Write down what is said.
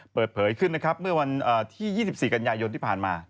เปิดเผยขึ้นนะครับเมื่อวันที่๒๔กันยายนที่ผ่านมา